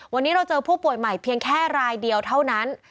วันนี้เราเจอผู้ป่วยใหม่เพียงแค่รายเดียวเท่านั้น